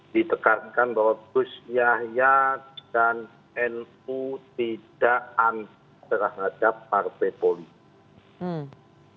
ditekankan bahwa gus yahya dan nu tidak anti terhadap partai politik